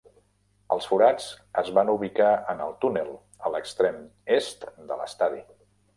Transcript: Els forats es van ubicar en el túnel, a l'extrem est de l'estadi.